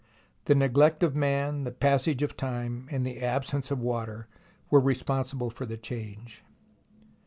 The neglect of man, the passage of time, and the absence of water were responsible for the change.